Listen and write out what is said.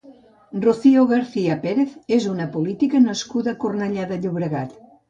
Rocío García Pérez és una política nascuda a Cornellà de Llobregat.